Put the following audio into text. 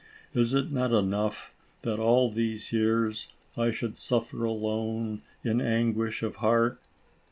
Is it not enough, thaF all these years, I should suffer alone, in anguish of heart?